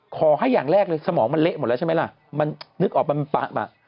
ขอให้อย่างแรกเลยสมองมันเละหมดแล้วใช่ไหมล่ะ